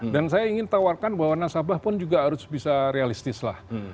dan saya ingin tawarkan bahwa nasabah pun juga harus bisa realistis lah